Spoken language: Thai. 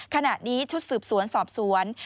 ขณะนี้ชุดสืบสวนสอบสวน